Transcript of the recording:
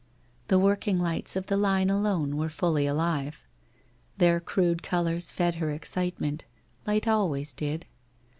The work ing lights of the line alone were fully alive. Their crude colours fed her excitement — light always did.